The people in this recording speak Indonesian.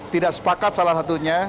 tidak sepakat salah satunya